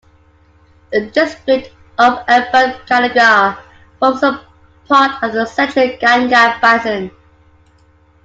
The district of Ambedkarnagar forms a part of the central Ganga basin.